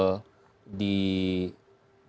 atau di mana